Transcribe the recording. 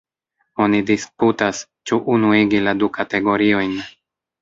Oni disputas, ĉu unuigi la du kategoriojn.